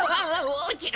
落ちる！